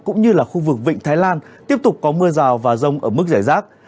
cũng như là khu vực vịnh thái lan tiếp tục có mưa rào và rông ở mức giải rác